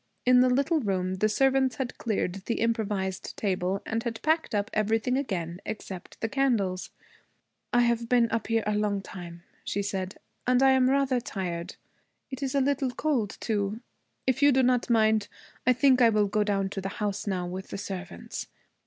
In the little room the servants had cleared the improvised table and had packed up everything again except the candles. 'I have been up here a long time,' she said, 'and I am rather tired. It is a little cold, too. If you do not mind, I think I will go down to the house now, with the servants.